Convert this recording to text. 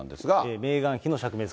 メーガン妃の釈明です。